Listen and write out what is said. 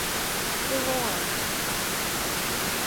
Delorme.